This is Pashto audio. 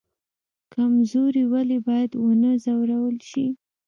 کمزوری ولې باید ونه ځورول شي؟